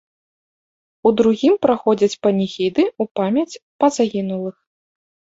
У другім праходзяць паніхіды ў памяць па загінулых.